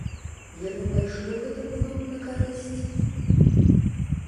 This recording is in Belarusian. Яно пайшло гэтаму дому на карысць?